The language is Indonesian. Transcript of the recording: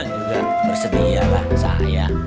juga bersedia lah saya